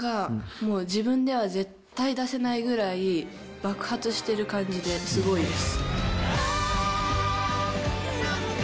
もう、自分では絶対出せないぐらい爆発してる感じですごいです。